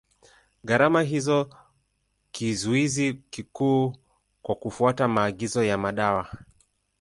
Gharama ndio kizuizi kikuu kwa kufuata maagizo ya madawa.